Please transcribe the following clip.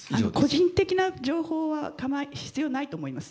個人的な情報は必要ないと思います。